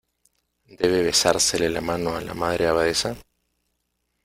¿ debe besársele la mano a la Madre Abadesa?